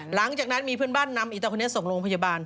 หลังจากนั้นมีเพื่อนบ้านนำอิตาคนนี้ส่งโรงพยาบาล